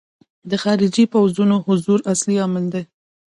د خارجي پوځونو حضور اصلي عامل دی.